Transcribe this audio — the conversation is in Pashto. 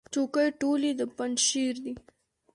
چوکۍ ټولې د پنجشیر دي.